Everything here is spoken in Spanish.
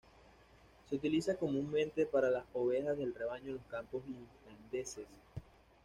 Se utiliza comúnmente para las ovejas del rebaño en los campos islandeses.